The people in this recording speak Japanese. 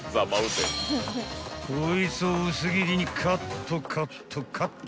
［こいつを薄切りにカットカットカット］